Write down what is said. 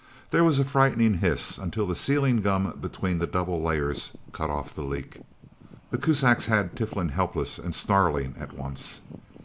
There was a frightening hiss, until the sealing gum between the double layers, cut off the leak. The Kuzaks had Tiflin helpless and snarling, at once.